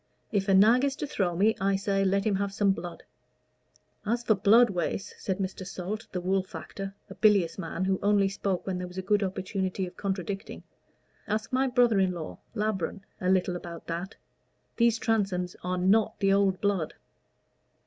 If a nag is to throw me, I say, let him have some blood." "As for blood, Wace," said Mr. Salt, the wool factor, a bilious man, who only spoke when there was a good opportunity of contradicting, "ask my brother in law, Labron, a little about that. These Transomes are not the old blood."